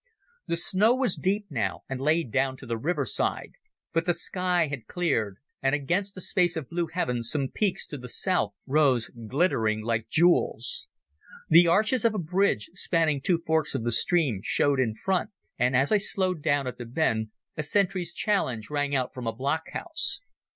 The snow was deep now, and lay down to the riverside, but the sky had cleared, and against a space of blue heaven some peaks to the south rose glittering like jewels. The arches of a bridge, spanning two forks of the stream, showed in front, and as I slowed down at the bend a sentry's challenge rang out from a block house.